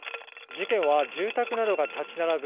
事件は住宅などが立ち並ぶ